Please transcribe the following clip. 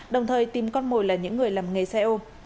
đồng thời tìm con mồi là những người làm nghề xe ô